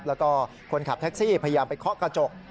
แล้วก็คนขับแท็กซี่พยายามไปเคาะกระจก